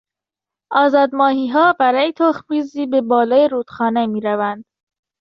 آزاد ماهیها برای تخم ریزی به بالای رود خانه میروند.